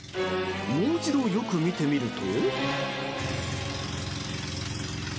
もう一度よく見てみると。